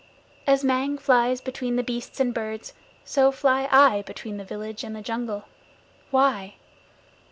As Mang flies between the beasts and birds, so fly I between the village and the jungle. Why?